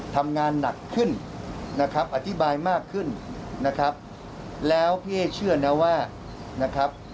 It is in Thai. ทำงานหนักขึ้นนะครับอธิบายมากขึ้นนะครับแล้วพี่เอ๊เชื่อนะว่านะครับ